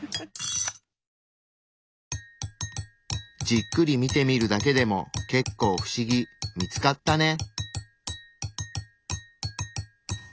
じっくり見てみるだけでも結構不思議見つかったね。